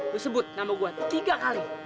lu sebut nama gua tiga kali